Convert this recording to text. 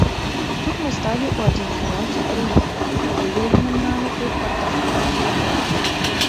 Тут мы сталі ў адзін фронт з другім, выяўленым намі тут партызанскім атрадам.